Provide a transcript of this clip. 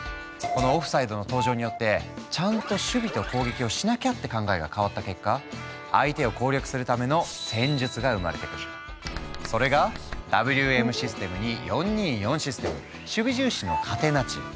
このオフサイドの登場によってちゃんと守備と攻撃をしなきゃって考えが変わった結果相手を攻略するためのそれがＷＭシステムに４ー２ー４システム守備重視のカテナチオ。